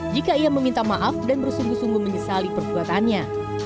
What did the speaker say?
jika ia meminta maaf dan bersungguh sungguh menyesali perbuatannya